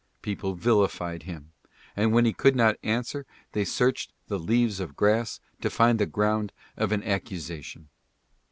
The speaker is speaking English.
People vilified him, and when he would not answer they searched the " Leaves of Grass " to find the ground of an accu sation.